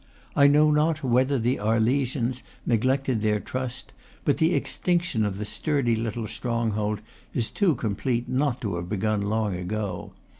I know not whether the Arle sians neglected their trust; but the extinction of the sturdy little stronghold is too complete not to have begun long ago.